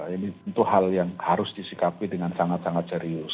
ini tentu hal yang harus disikapi dengan sangat sangat serius